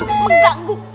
sumpah enggak gugup